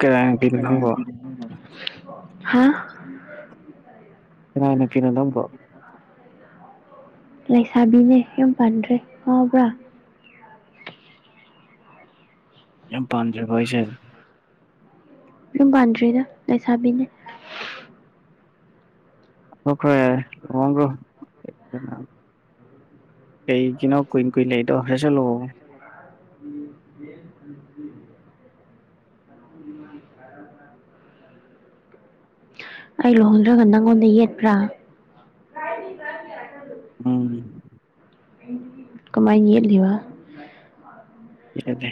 ꯀꯅꯥꯏ ꯅꯨꯄꯤꯅꯣ ꯅꯪꯕꯣ ꯍꯥꯥ ꯀꯅꯥꯏ ꯅꯨꯄꯤꯅꯣ ꯅꯪꯕꯣ ꯂꯩꯁꯥꯕꯤꯅꯦ ꯌꯨꯝ ꯄꯥꯟꯗ꯭ꯔꯦ ꯉꯥꯎꯕ꯭ꯔꯥ ꯌꯨꯝ ꯄꯥꯟꯗ꯭ꯔꯤꯕꯣ ꯍꯥꯏꯁꯦ ꯌꯨꯝ ꯄꯥꯟꯗ꯭ꯔꯤꯗ ꯂꯩꯁꯥꯕꯤꯅꯦ [unintelligible] ꯂꯨꯍꯣꯡꯈ꯭ꯔꯣ ꯀꯩꯒꯤꯅꯣ ꯀꯨꯏꯟ ꯀꯨꯏꯟ ꯂꯩꯗꯣ ꯁꯁꯠ ꯂꯨꯍꯣꯡꯉꯣ [inaudible] ꯑꯩ ꯂꯨꯍꯣꯡꯗ꯭ꯔꯒ ꯅꯪꯉꯣꯟꯗ ꯌꯦꯠꯄ꯭ꯔꯥ [unintelligible] ꯎꯝ ꯀꯃꯥꯏ ꯌꯦꯠꯂꯤꯕ ꯌꯦꯠꯂꯦ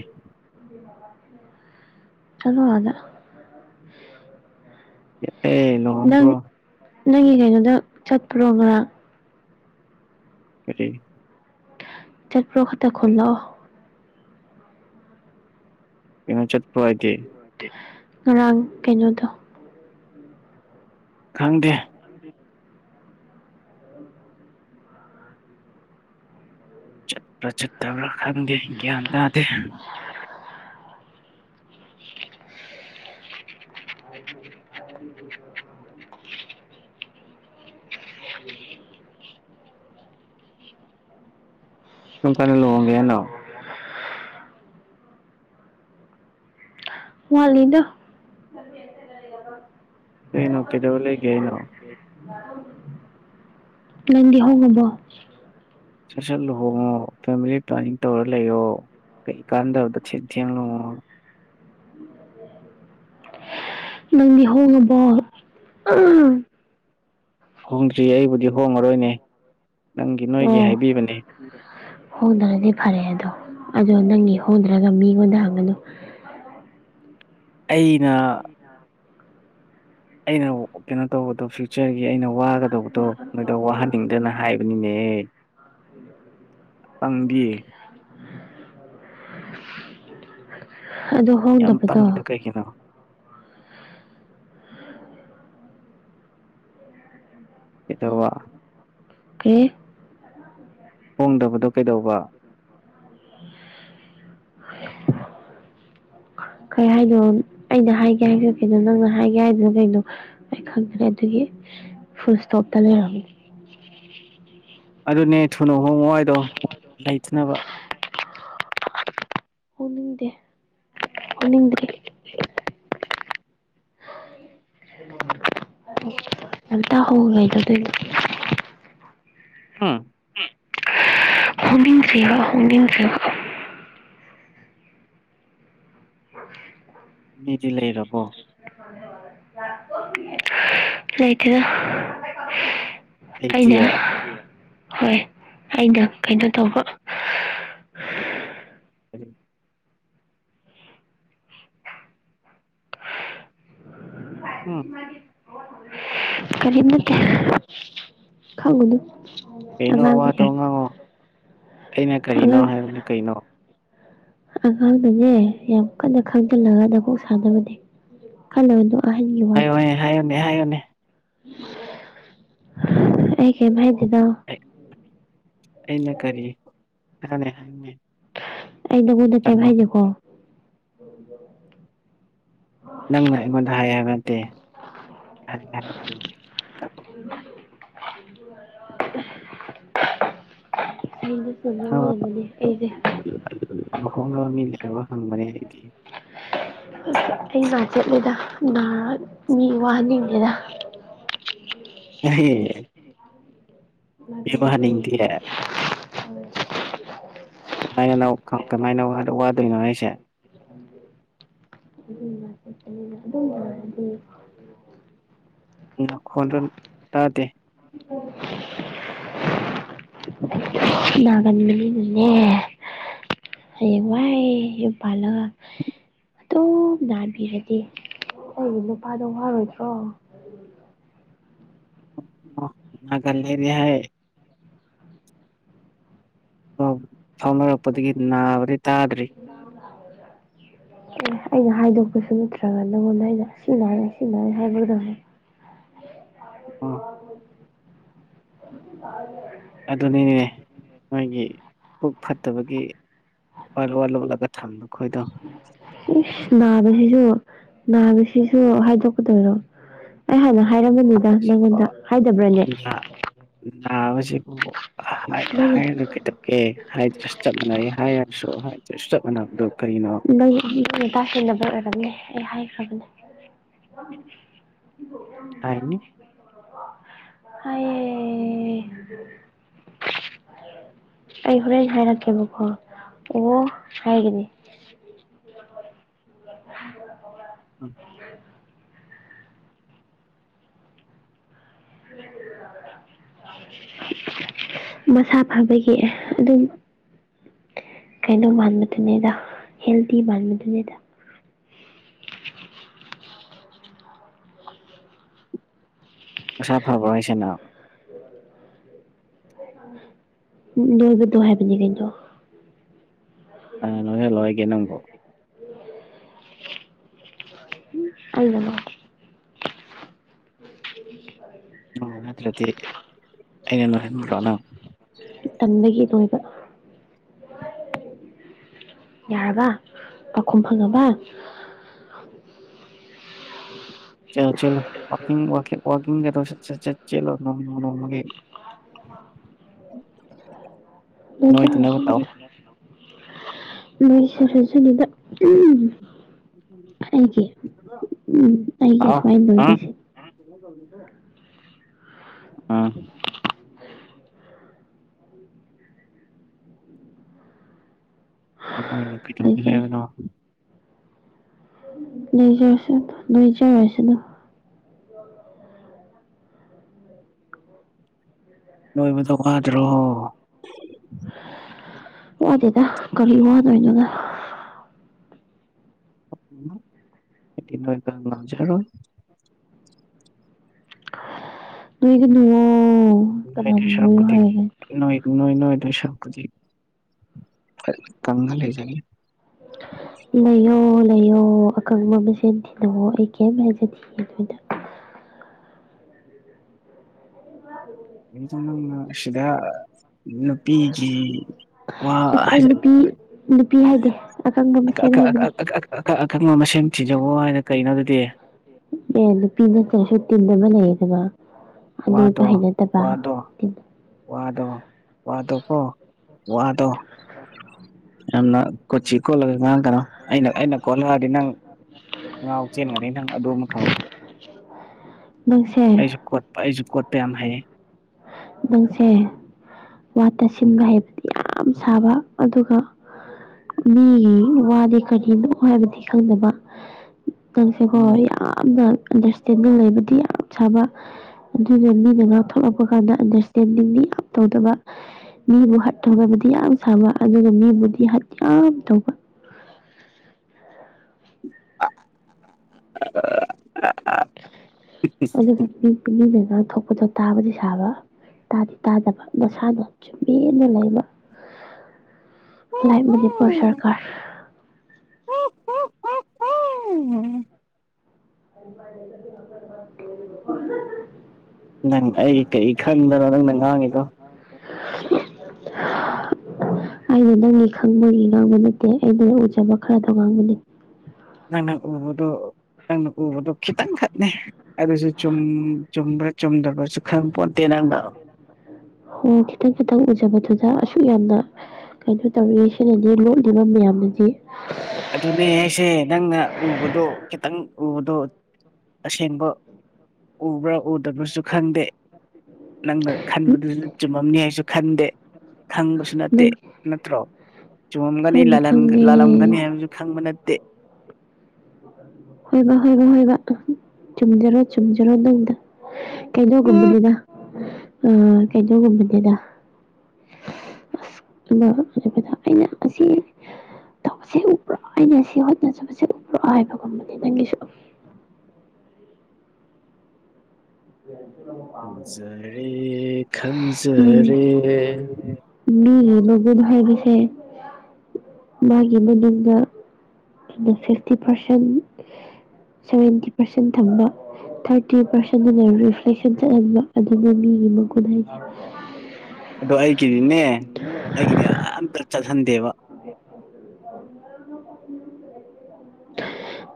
[inaudible] ꯆꯂꯣ ꯑꯥꯗ ꯌꯦꯠꯂꯦ ꯅꯪ ꯅꯪꯒꯤ ꯀꯩꯅꯣꯗ ꯆꯠꯄ꯭ꯔꯣ ꯉꯔꯥꯡ ꯀꯔꯤ ꯆꯠꯄ꯭ꯔꯣ ꯈꯛꯇ ꯈꯣꯝꯂꯛꯑꯣ ꯀꯩꯅꯣ ꯆꯠꯄ꯭ꯔꯣ ꯍꯥꯏꯗꯤ ꯉꯔꯥꯡ ꯀꯩꯅꯣꯗꯣ ꯈꯪꯗꯦ ꯆꯠꯄ꯭ꯔꯥ ꯆꯠꯇꯕ꯭ꯔꯥ ꯈꯪꯗꯦ ꯒ꯭ꯌꯥꯟ ꯇꯥꯗꯦ ꯀꯔꯝꯀꯥꯟꯗ ꯂꯨꯍꯣꯡꯒꯦ ꯍꯥꯏꯅꯣ ꯋꯥꯠꯂꯤꯗ ꯀꯩꯅꯣ ꯀꯩꯗꯧꯔ ꯂꯩꯒꯦ ꯍꯥꯏꯅꯣ ꯅꯗꯤ ꯍꯣꯡꯉꯕꯣ ꯁꯠ ꯁꯠ ꯂꯨꯍꯣꯡꯉꯣ ꯐꯦꯃꯤꯂꯤ ꯄ꯭ꯂꯥꯟꯅꯤꯡ ꯇꯧꯔ ꯂꯩꯌꯣ ꯀꯩ ꯀꯥꯟꯗꯕꯗ ꯊꯦꯡ ꯊꯦꯡ ꯂꯨꯍꯣꯡꯉꯒ [inaudible] ꯅꯪꯗꯤ ꯍꯣꯡꯉꯕꯣ ꯍꯣꯡꯗ꯭ꯔꯤ ꯑꯩꯕꯨꯗꯤ ꯍꯣꯡꯉꯔꯣꯏꯅꯦ ꯅꯪꯒꯤ ꯅꯣꯏꯒꯤ ꯑꯣ ꯍꯥꯏꯕꯤꯕꯅꯦ [unintelligible] ꯍꯣꯡꯗ꯭ꯔꯗꯤ ꯐꯔꯦ ꯑꯗꯣ ꯑꯗꯣ ꯅꯪꯒꯤ ꯍꯣꯡꯗ꯭ꯔꯒ ꯃꯤꯉꯣꯟꯗ ꯍꯪꯒꯅꯨ ꯑꯩꯅ ꯑꯩꯅ ꯀꯩꯅꯣ ꯇꯧꯕꯗꯣ ꯐ꯭ꯌꯨꯆꯔꯒꯤ ꯑꯩꯅ ꯋꯥꯒ ꯗꯧꯕꯗꯣ ꯅꯣꯏꯗ ꯋꯥꯍꯟꯅꯤꯡꯗꯅ ꯍꯥꯏꯕꯅꯤꯅꯦꯍꯦ ꯄꯪꯕꯤ ꯑꯗꯣ ꯌꯥꯝ ꯍꯣꯡꯗꯕꯗꯣ ꯄꯪꯉꯤꯗꯣ ꯀꯩꯒꯤꯅꯣ ꯀꯩꯇꯧ ꯋꯥ ꯀꯦ ꯍꯣꯡꯗꯕꯗꯣ ꯀꯩꯗꯧꯕ [unintelligible] ꯀꯩ ꯍꯥꯏꯅꯣ ꯑꯩꯅ ꯍꯥꯏꯒꯦ ꯍꯥꯏꯁꯨ ꯀꯩꯅꯣ ꯅꯪꯅ ꯍꯥꯏꯒꯦ ꯍꯥꯏꯗꯨꯅ ꯀꯩꯅꯣ ꯑꯩ ꯈꯪꯗꯔꯦ ꯑꯗꯨꯒꯤ ꯐꯨꯜꯢꯇꯣꯞ ꯇꯂꯦ ꯑꯗꯨꯅꯦ ꯊꯨꯅ ꯍꯣꯡꯑꯣ ꯍꯥꯢꯗꯣ ꯂꯩꯇꯅꯕ ꯍꯣꯡꯅꯤꯡꯗꯦ ꯍꯣꯡꯅꯤꯡꯗ꯭ꯔꯤ [unintelligible] [unintelligible] ꯍꯣꯡꯅꯤꯡ ꯗ꯭ꯔꯤꯕ ꯍꯣꯡꯅꯤꯡꯗ꯭ꯔꯤꯕ ꯃꯤꯗꯤ ꯂꯩꯔꯕꯣ ꯂꯩꯇꯦꯗ ꯑꯩꯅ ꯂꯩꯇꯤꯌꯦ ꯍꯣꯏ ꯑꯩꯅ ꯀꯩꯅꯣ ꯇꯧꯕ [unintelligible] ꯎꯝ ꯀꯔꯤꯝ ꯇꯦꯠꯇꯦ ꯈꯪꯉꯨꯅꯨ ꯀꯩꯅꯣ ꯑꯉꯥꯡꯅ ꯋꯥꯗꯣ ꯌꯥꯝ ꯉꯥꯡꯉꯣ ꯑꯩꯅ ꯀꯔꯤꯅꯣ ꯑꯉꯥꯡ ꯍꯥꯏꯕꯗꯨ ꯀꯩꯅꯣ ꯑꯉꯥꯡꯅꯅꯦ ꯌꯥꯝ ꯀꯟꯅ ꯈꯪꯖꯤꯜꯂꯒ ꯅꯀꯣꯛ ꯁꯥꯟꯅꯕꯅꯤ ꯈꯜꯂꯣꯅꯣ ꯑꯍꯟꯒꯤ ꯋꯥꯗꯣ ꯍꯥꯏꯌꯣꯅꯦ ꯍꯥꯏꯌꯣꯅꯦ ꯍꯥꯏꯌꯣꯅꯦ [unintelligible] ꯑꯩ ꯀꯦꯝ ꯍꯥꯏꯗꯦꯗ ꯑꯩꯩꯅ ꯀꯔꯤ [unintelligible] ꯑꯩ ꯅꯪꯉꯣꯟꯗ ꯀꯩꯝ ꯇꯝꯃꯣ ꯍꯥꯏꯗꯦꯀꯣ ꯅꯪꯅ ꯑꯩꯉꯣꯟꯗ ꯍꯥꯏ ꯍꯥꯏꯕ ꯅꯠꯇꯦ [unintelligible] ꯑꯩꯗꯤ [unintelligible] [unintelligible] ꯂꯨꯍꯣꯡꯅꯕ ꯃꯤ ꯂꯩꯇ꯭ꯔꯕ ꯍꯪꯕꯅꯦ ꯑꯩꯗꯤ ꯑꯩ ꯉꯥ ꯆꯦꯠꯂꯦꯗ ꯅꯥ ꯃꯤ ꯋꯥꯍꯟꯅꯤꯡꯗꯦꯗ [unintelligible] ꯅꯒꯜꯂꯦ ꯋꯥꯍꯟꯅꯤꯡꯗꯦ [unintelligible] ꯀꯃꯥꯏꯅꯅꯣ ꯀꯃꯥꯏꯅ ꯋꯥꯗꯣꯏꯅꯣ ꯍꯥꯢꯁꯦ [unintelligible] ꯅꯈꯣꯟꯗꯣ ꯇꯥꯗꯦ [unintelligible] ꯅꯥꯒꯟꯕꯃꯤꯅꯤꯅꯅꯦ ꯍꯦꯌꯦꯡ ꯋꯥꯢ ꯌꯨꯝ ꯄꯥꯟꯂꯒ ꯑꯇꯨꯝ ꯅꯥꯟꯕꯤꯔꯗꯤ ꯑꯩꯒꯤ ꯅꯨꯄꯥꯗꯣ ꯋꯥꯔꯣꯏꯗ꯭ꯔꯣ ꯅꯥꯒꯜꯂꯦꯗꯤꯍꯥꯏ ꯄꯥꯎ ꯐꯥꯎꯅꯔꯛꯄꯗꯒꯤ ꯅꯥꯕꯗꯤ ꯇꯥꯗ꯭ꯔꯤ [unintelligible] ꯑꯦ ꯑꯩꯅ ꯍꯥꯏꯗꯣꯛꯄꯁꯨ ꯅꯠꯇ꯭ꯔꯒ ꯅꯪꯉꯣꯟꯗ ꯑꯩꯅ ꯁꯤ ꯅꯥꯏ ꯁꯤ ꯅꯥꯏ ꯍꯥꯏꯕꯗꯪꯅꯤ ꯑꯥ [unintelligible] [unintelligible] ꯑꯗꯨꯅꯤꯅꯦ ꯃꯣꯏꯒꯤ ꯄꯨꯛ ꯐꯠꯇꯕꯒꯤ ꯋꯥ ꯂꯣꯠꯂꯥ ꯂꯣꯠꯂꯥꯒ ꯊꯝꯕ ꯈꯣꯏꯗꯣ ꯏꯁ ꯅꯥꯕꯁꯤꯁꯨ ꯅꯥꯕꯁꯤꯁꯨ ꯍꯥꯏꯗꯣꯛꯀꯗꯣꯏꯔꯣ ꯑꯩ ꯍꯥꯅ ꯍꯥꯏꯔꯝꯒꯅꯤꯗ ꯅꯪꯉꯣꯟꯗ ꯍꯥꯏꯗꯕ꯭ꯔꯅꯦ ꯅꯥꯕꯁꯦꯀꯣ ꯑꯥ ꯍꯥꯏ ꯅꯪꯅ ꯍꯥꯏꯔꯒ ꯀꯩꯗꯧꯒꯦ ꯍꯥꯏꯗ꯭ꯔꯁꯨ ꯆꯥꯞ ꯃꯥꯟꯅꯩ ꯍꯥꯏꯔꯁꯨ ꯍꯥꯏꯗ꯭ꯔꯁꯨ ꯆꯥꯞ ꯃꯥꯟꯅꯕꯗꯨ ꯀꯔꯤꯅꯣ [unintelligible] ꯇꯥꯁꯤꯟꯗꯕꯒꯤ ꯑꯣꯏꯔꯝꯅꯤ ꯑꯩ ꯍꯥꯏꯈ꯭ꯔꯕꯅꯦ ꯍꯥꯏꯅꯤ ꯍꯥꯏꯌꯦ ꯑꯩ ꯍꯣꯔꯦꯟ ꯍꯥꯏꯔꯛꯀꯦꯕꯀꯣ ꯑꯣ ꯍꯥꯏꯒꯅꯤ [unintelligible] ꯎꯝ [unintelligible] ꯃꯁꯥ ꯐꯕꯒꯤ ꯑꯗꯨꯝ ꯀꯩꯅꯣ ꯃꯥꯟꯕꯗꯨꯅꯦꯗ ꯍꯦꯜꯗꯤ ꯃꯥꯟꯕꯗꯨꯅꯦꯗ ꯃꯁꯥ ꯐꯕ꯭ꯔꯣ ꯍꯥꯏꯁꯦꯅꯪ ꯅꯣꯏꯕꯗꯣ ꯍꯥꯏꯕꯅꯤ ꯀꯩꯅꯣ ꯀꯥꯅꯥ ꯅꯣꯏꯍꯜꯂꯣ ꯍꯥꯏꯒꯦ ꯅꯪꯕꯨ [unintelligible] ꯑꯩꯅꯥ ꯑꯣ ꯅꯠꯇ꯭ꯔꯗꯤ ꯑꯩꯅ ꯅꯣꯏꯍꯟꯕ꯭ꯔꯣ ꯅꯪ ꯇꯟꯕꯒꯤ ꯅꯣꯏꯕ ꯌꯥꯔꯕ ꯄꯥꯎꯈꯨꯝ ꯐꯪꯉꯥꯕ ꯆꯦꯜꯂꯣ ꯆꯦꯜꯂꯣ ꯋꯥꯀꯤꯡ ꯋꯥꯀꯤꯡ ꯋꯥꯛ ꯀꯤꯡꯒꯗꯣ ꯁꯠ ꯁꯠ ꯁꯠ ꯆꯦꯜꯂꯣ ꯅꯣꯡꯃ ꯅꯣꯡꯃꯒꯤ [unintelligible] ꯅꯣꯏꯗꯅꯕ ꯇꯧ ꯑꯩꯒꯤ ꯎꯝ ꯑꯩꯒꯤ ꯑꯁꯋꯥꯏ ꯂꯣꯏꯕꯁꯦ ꯑ ꯅꯨꯄꯥꯑꯣꯏꯔꯒ ꯀꯩꯗꯧꯒꯦ ꯂꯩꯖꯔ ꯍꯥꯏꯕꯅꯣ ꯅꯣꯏꯖꯔꯁꯅꯨ ꯅꯣꯖꯔꯁꯅꯨ ꯅꯣꯏꯕꯗꯣ ꯋꯥꯗ꯭ꯔꯣ ꯋꯥꯗꯦꯗ ꯀꯔꯤ ꯋꯥꯗꯣꯏꯅꯣꯗ ꯎꯝ ꯑꯩꯗꯤ ꯅꯣꯏꯕ ꯉꯥꯝꯖꯔꯣꯏ ꯅꯣꯏꯒꯅꯨꯋꯣ ꯀꯅꯅꯥ ꯅꯣꯏꯗꯣꯏ ꯅꯣꯏꯌꯣ ꯁꯔꯨꯛꯄꯨꯗꯤ ꯍꯥꯏꯒꯦ ꯅꯣꯏ ꯅꯣꯏ ꯅꯣꯏꯗꯣꯏ ꯁꯔꯨꯛꯄꯨꯗꯤ ꯀꯪꯉꯥ ꯂꯩꯖꯒꯦ ꯂꯩꯌꯣ ꯂꯩꯌꯣ ꯑꯣ ꯑꯀꯪꯕ ꯃꯁꯦꯟ ꯊꯤꯅꯧꯋꯣ ꯑꯩ ꯀꯩꯝ ꯍꯥꯏꯖꯗꯦ ꯅꯣꯏꯗ ꯑꯗꯣ ꯅꯪꯅꯥꯁꯤꯗ ꯋꯥ ꯑꯁ ꯑꯩ ꯍꯥꯏꯖ ꯅꯨꯄꯤ ꯅꯨꯄꯤ ꯍꯥꯏꯗꯤ ꯑꯀꯪꯕ ꯃꯁꯦꯟ ꯍꯥꯏꯕꯅꯦ ꯑꯈꯪ ꯑꯈꯪꯕ ꯃꯁꯦꯟ ꯊꯤꯖꯧꯑꯣ ꯍꯥꯏꯅ ꯀꯩꯅꯣ ꯑꯗꯨꯗꯤ ꯑꯦ ꯅꯨꯄꯤ ꯅꯠꯇ꯭ꯔꯁꯨ ꯇꯤꯟꯕ ꯂꯩꯌꯦꯗꯅ ꯋꯥꯗꯣ ꯑꯗꯨꯗ ꯍꯩꯅꯗꯕ ꯋꯥꯗꯣ ꯇꯤꯟ ꯋꯥꯗꯣ ꯋꯥꯗꯣꯀꯣ ꯋꯥꯗꯣ ꯌꯥꯝꯅ ꯀꯣꯆꯤ ꯀꯣꯠꯂꯒ ꯉꯥꯡꯒꯅꯣ ꯑꯩꯅ ꯑꯩꯅ ꯀꯣꯠꯂꯛꯑꯗꯤ ꯅꯪ ꯉꯥꯎ ꯆꯦꯟꯒꯅꯤ ꯅꯪ ꯑꯗꯨ ꯑꯃ ꯈꯪꯉꯨ ꯅꯪꯁꯤ ꯑꯩꯖꯨ ꯀꯣꯠꯄ ꯑꯩꯖꯨ ꯀꯣꯠꯄ ꯌꯥꯝ ꯍꯩꯌꯦ ꯅꯪꯁꯦ ꯋꯥ ꯇꯥꯁꯤꯟꯕ ꯍꯩꯕꯗꯤ ꯌꯥꯝ ꯁꯥꯕ ꯑꯗꯨꯒ ꯃꯤꯒꯤ ꯋꯥꯗꯤ ꯀꯔꯤꯅꯣ ꯍꯥꯏꯕꯗꯤ ꯈꯪꯗꯥꯕ ꯅꯪꯁꯦꯀꯣ ꯎꯝ ꯎꯝ ꯌꯥꯝꯅ ꯑꯟꯗꯔꯁꯇꯦꯟꯗꯤ ꯂꯩꯕꯗꯤ ꯌꯥꯝ ꯁꯥꯕ ꯑꯗꯨꯒ ꯃꯤꯅ ꯉꯥꯡꯊꯣꯛꯂꯛꯄ ꯀꯥꯟꯗ ꯑꯟꯗꯔꯁꯇꯦꯟꯗꯤꯡꯗꯤ ꯌꯥꯝ ꯇꯧꯗꯕ ꯃꯤꯕꯨ ꯍꯠ ꯇꯧꯗꯕꯗꯤ ꯌꯥꯝ ꯁꯥꯕ ꯑꯗꯨꯒ ꯃꯤꯕꯨꯗꯤ ꯍꯠ ꯌꯥꯝ ꯇꯧꯕ [inaudible] ꯑꯗꯨꯒ [unintelligible] ꯊꯣꯛꯄꯗꯣ ꯇꯥꯕꯗꯤ ꯁꯥꯕ ꯇꯥꯗꯤ ꯇꯥꯗꯕ ꯃꯁꯥꯗꯣ ꯆꯨꯝꯃꯦꯅ ꯂꯩꯕ ꯂꯥꯏꯞ ꯃꯅꯤꯄꯨꯔ ꯁꯥꯔꯀꯥꯔ [inaudible] ꯅꯪ ꯑꯩ ꯀꯔꯤ ꯈꯪꯗꯅ ꯅꯪꯅ ꯉꯥꯡꯉꯤꯗꯣ [inaudible] ꯑꯩꯅ ꯅꯪꯒꯤ ꯈꯪꯕꯒꯤ ꯉꯥꯡꯕ ꯅꯠꯇꯦ ꯑꯩꯅ ꯎꯖꯕ ꯈꯔꯗꯣ ꯉꯥꯡꯕꯅꯤ ꯅꯪꯅ ꯎꯕꯗꯣ ꯅꯪꯅ ꯎꯕꯗꯣ ꯈꯤꯇꯪ ꯈꯛꯅꯦ ꯑꯗꯨꯁꯨ ꯆꯨꯝ ꯆꯨꯝꯕ꯭ꯔꯥ ꯆꯨꯝꯗꯕ꯭ꯔꯥꯁꯨ ꯈꯪꯄꯣꯟꯇꯦ ꯅꯪꯗꯣ ꯍꯣ ꯈꯤꯇꯪ ꯈꯤꯇꯪ ꯎꯖꯕꯗꯨꯗ ꯑꯁꯨꯛ ꯌꯥꯝꯅ ꯀꯩꯅꯣ ꯇꯧꯔꯤꯁꯤꯅꯗꯤ ꯂꯣꯠꯂꯤꯕ ꯃꯌꯥꯝꯅꯗꯤ ꯑꯗꯨꯅꯦ ꯍꯩꯁꯦ ꯅꯪꯅ ꯎꯕꯗꯣ ꯈꯤꯇꯪ ꯎꯕꯗꯣ ꯑꯁꯦꯡꯕ ꯎꯕ꯭ꯔꯥ ꯎꯗꯕ꯭ꯔꯥꯁꯨ ꯈꯪꯗꯦ ꯅꯪꯅ ꯎꯝ ꯈꯟꯕꯗꯨꯁꯨ ꯆꯨꯝꯃꯝꯅꯤ ꯍꯥꯏꯁꯨ ꯈꯪꯗꯦ ꯈꯪꯕꯁꯨ ꯅꯠꯇꯦ ꯅꯪ ꯅꯠꯇ꯭ꯔꯣ ꯆꯨꯝꯃꯝꯒꯅꯤ ꯍꯣꯏꯅꯦ ꯂꯥꯂꯟ ꯈꯪꯗꯦ ꯂꯥꯜꯂꯝꯒꯅꯤ ꯍꯥꯏꯕꯁꯨ ꯈꯪꯕ ꯅꯠꯇꯦ ꯍꯣꯏꯕ ꯍꯣꯏꯕ ꯍꯣꯏꯕ ꯆꯨꯝꯖꯔꯣ ꯆꯨꯝꯖꯔꯣ ꯅꯪꯗ ꯀꯩꯅꯣꯒꯨꯝꯕꯅꯤꯗ ꯑꯥ ꯀꯩꯅꯣꯒꯨꯝꯕꯅꯤꯗ ꯑꯁ [unintelligible] ꯑꯩꯅ ꯑꯁꯤ ꯇꯧꯕꯁꯦ ꯎꯕ꯭ꯔꯣ ꯑꯩꯅ ꯁꯤ ꯍꯣꯠꯅꯖꯕꯁꯦ ꯎꯕ꯭ꯔꯣ ꯍꯥꯏꯕꯒꯨꯝꯕꯅꯦ ꯅꯪꯒꯤꯁꯨ ꯈꯪꯖꯔꯦ ꯎꯝ ꯈꯪꯖꯔꯦ ꯃꯤꯒꯤ ꯃꯒꯨꯟ ꯍꯥꯏꯕꯁꯦ ꯃꯥꯒꯤ ꯃꯅꯤꯡꯗ ꯐꯤꯐꯇꯤ ꯄꯥꯔꯁꯦꯟ ꯁꯚꯦꯟꯇꯤ ꯄꯥꯔꯁꯦꯟ ꯊꯝꯕ ꯊꯥꯔꯇꯤ ꯄꯥꯔꯁꯦꯟꯗꯨ ꯂꯩꯔ ꯔꯤꯐ꯭ꯂꯦꯛꯁꯟ ꯆꯠꯍꯟꯕ ꯑꯗꯨꯒ ꯃꯤꯒꯤ ꯃꯒꯨꯟ ꯍꯥꯏꯁꯦ ꯑꯗꯣ ꯑꯩꯒꯤꯗꯤꯅꯦ ꯑꯩꯒꯤꯗꯤ ꯑꯥꯝꯇ ꯆꯠꯍꯟꯗꯦꯕ [inaudible]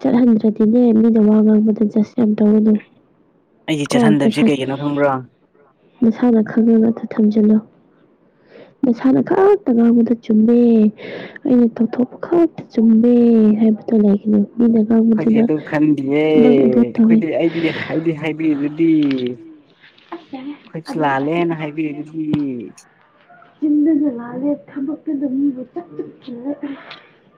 ꯆꯠꯍꯟꯗ꯭ꯔꯗꯤꯅꯦ ꯃꯤꯅ ꯋꯥ ꯉꯥꯡꯕꯗ ꯖꯁ ꯌꯥꯝ ꯇꯧꯒꯅꯣ ꯑꯩꯒꯤ ꯀꯣ ꯆꯠꯍꯟꯗꯕꯁꯦ ꯄꯁꯥ ꯀꯩꯒꯤꯅꯣ ꯈꯪꯕ꯭ꯔꯥ ꯅꯁꯥꯅ ꯈꯪꯕꯗꯣ ꯊꯝꯖꯤꯜꯂꯨ ꯅꯁꯥꯅ ꯈꯛꯇ ꯉꯥꯡꯕꯗꯨ ꯆꯨꯝ ꯃꯦ ꯑꯩꯅ ꯇꯧꯊꯣꯛꯄ ꯈꯛꯇ ꯆꯨꯝꯃꯦ ꯍꯥꯏꯕꯗꯣ ꯂꯩꯒꯅꯨ ꯃꯤꯅ ꯑꯩꯈꯣꯏꯗꯤ ꯉꯥꯡꯕꯗꯨꯅ ꯑꯗꯨ ꯈꯟꯗꯤꯌꯦ ꯅꯪ ꯑꯗꯨ ꯇꯧꯋꯦ ꯑꯩꯈꯣꯏꯗꯤ ꯑꯩꯗꯤ ꯍꯥꯏꯗꯤ ꯍꯥꯏꯕꯤꯔꯤ ꯗꯨꯗꯤ ꯑꯁ ꯌꯥꯔꯦ ꯈꯣꯏꯖꯨ ꯑꯗꯨ ꯑꯁꯤ ꯂꯥꯜꯂꯦꯅ ꯑꯁ ꯍꯥꯏꯕꯤꯔꯤ ꯗꯨꯗꯤ [unintelligible]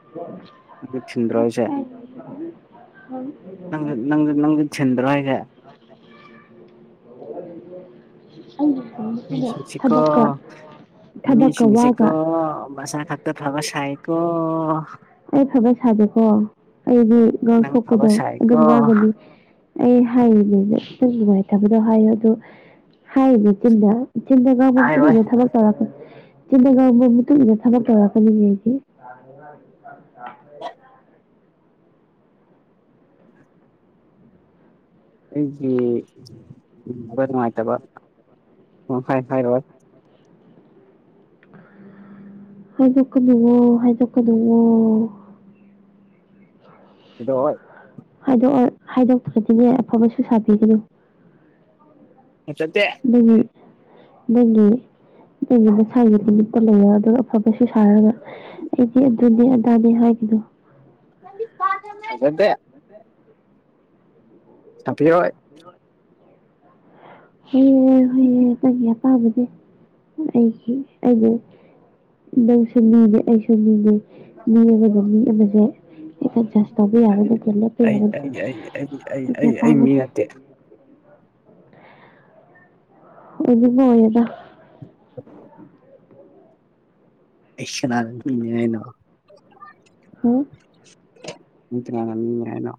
ꯑꯗꯨ ꯊꯤꯟꯗ꯭ꯔꯣ ꯍꯥꯏꯁꯦ [unintelligible] ꯅꯪꯖꯨ ꯅꯪꯖꯨ ꯊꯤꯟꯗ꯭ꯔꯣ ꯍꯥꯏꯖꯦ [unintelligible] ꯊꯕꯛꯀ ꯃꯤꯁꯤꯡꯁꯦ ꯀꯣ ꯋꯥꯒ ꯃꯁꯥ ꯈꯛꯇ ꯐꯕ ꯁꯥꯏꯀꯣ ꯑꯩ ꯐꯕ ꯁꯥꯗꯦꯀꯣ ꯑꯩꯗꯤ ꯅꯪ ꯐꯕ ꯉꯥꯡꯊꯣꯛꯄꯗꯣ ꯁꯥꯏꯀꯣ ꯑꯗꯨꯝ ꯉꯥꯡꯒꯅꯤ [unintelligible] [unintelligible] ꯍꯥꯏꯌꯨ ꯑꯗꯣ ꯍꯥꯏꯔꯤꯅꯤ ꯆꯤꯟꯗ ꯏꯆꯤꯟꯗ ꯉꯥꯡꯕ ꯃꯇꯨꯡ ꯍꯥꯏꯔꯣꯏ ꯏꯟꯅ ꯊꯕꯛ ꯇꯧꯔꯛꯄ ꯆꯤꯟꯗ ꯉꯥꯡꯕ ꯃꯇꯨꯡ ꯏꯟꯅ ꯊꯕꯛ ꯇꯧꯔꯛꯀꯅꯤ ꯑꯩꯗꯤ [unintelligible] [unintelligible] [unintelligible] ꯑꯩꯒꯤ [unintelligible] ꯅꯨꯡꯉꯥꯏꯇꯕ ꯁꯨꯡꯍꯥꯏ ꯍꯥꯏꯔꯣꯏ ꯍꯥꯏꯗꯣꯛꯀꯅꯨꯑꯣ ꯍꯥꯏꯗꯣꯛꯀꯅꯨꯑꯣ ꯏꯗꯣ ꯍꯣꯏ ꯍꯥꯏꯗꯣꯛꯑꯣꯏ ꯍꯥꯏꯗꯣꯛꯇ꯭ꯔꯗꯤꯅꯦ ꯑꯐꯕꯁꯨ ꯁꯥꯕꯤꯒꯅꯤ [unintelligible] ꯑꯗꯨꯅꯦ ꯑꯗꯨꯒꯤ ꯑꯩꯒꯤ ꯃꯁꯥꯒꯤ ꯅꯨꯃꯤꯠꯇ ꯂꯩꯔ ꯑꯗꯨꯒ ꯑꯐꯕꯁꯨ ꯁꯥꯔꯒ ꯑꯩꯗꯤ ꯑꯗꯨꯅꯦ ꯑꯗꯥꯅꯦ ꯍꯥꯏꯒꯅꯨ [unintelligible] [unintelligible] [unintelligible] [unintelligible] ꯅꯪꯁꯨ ꯃꯤꯅꯦ ꯑꯩꯁꯨ ꯃꯤꯅꯦ ꯃꯤ ꯑꯃꯅ ꯃꯤ ꯑꯃꯗ ꯑꯦꯗꯖꯁ ꯇꯧꯕ ꯌꯥꯕ ꯅꯠꯇꯦ ꯂꯦꯞꯄ ꯑꯩ ꯌꯥꯕ ꯅꯠꯇꯦ ꯑꯩ ꯑꯩ ꯑꯩ ꯑꯩ ꯑꯩ ꯑꯩꯒꯤ ꯑꯩ ꯑꯩ ꯃꯤ ꯑꯄꯥꯝꯕꯅꯦ ꯅꯠꯇꯦ [unintelligible] [unintelligible] [unintelligible] ꯍ ꯅꯪ ꯀꯅꯥꯅ ꯃꯤꯅꯦ ꯍꯥꯏꯅꯣ